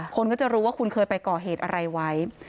คนก็จะรู้ว่าคุณเคยไปก่อเหตุอะไรไว้